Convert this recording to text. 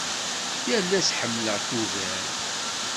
Yal ass ḥemmleɣ-k ugar.